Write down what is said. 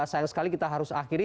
sayang sekali kita harus akhiri